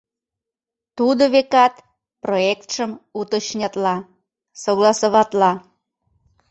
Тудо, векат, проектшым уточнятла, согласоватла.